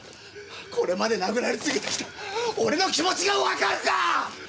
これまで殴られ続けてきた俺の気持ちがわかるか！？